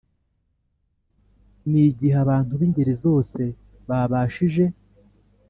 ni igihe abantu b'ingeri zose babashije